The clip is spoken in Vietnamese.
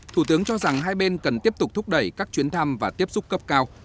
thủ tướng cho rằng hai bên cần tiếp tục thúc đẩy các chuyến thăm và tiếp xúc cấp cao